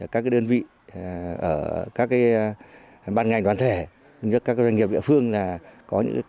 các đơn vị ở các ban ngành toàn thể các doanh nghiệp địa phương là có những